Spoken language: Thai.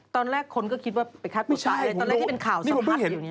ตอนแรกคนก็คิดว่าไปฆ่าตัวตายตอนแรกที่เป็นข่าวสะพัดอยู่อย่างนี้